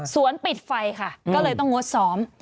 ปิดไฟค่ะก็เลยต้องงดซ้อม